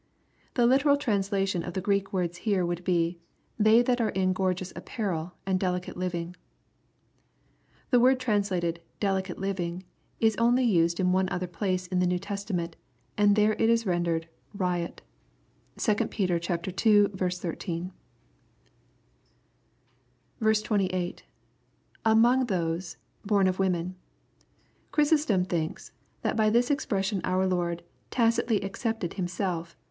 l The literal translation of the Greek words here would be, " They that are iq gorgeous apparel, and delicate living." The word translated " delicate living," is only used in one other place in the New Testament, and is there rendered "riot" (2 Peter iL 13.) 28. — [Among those ... horn of women.'] Chrysostom thinks, that by this expression our Lord " tacitly excepted Himself.